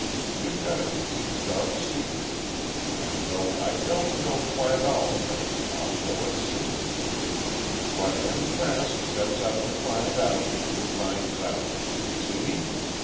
You've got a deep dark secret—and though I don't know quite all of it—I'll know it soon. What M. Trask sets out to find out, he finds out. See?